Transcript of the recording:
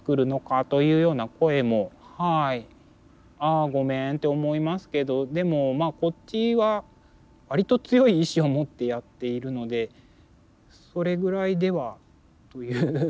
あごめんって思いますけどでもまあこっちは割と強い意志を持ってやっているのでそれぐらいではという。